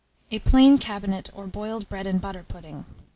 A PLAIN CABINET or BOILED BREAD AND BUTTER PUDDING.